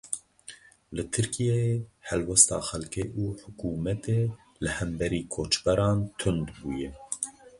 Li Tirkiyeyê helwesta xelkê û hikûmetê li hemberî koçberan tund bûye.